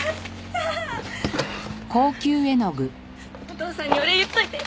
お父さんにお礼言っといて。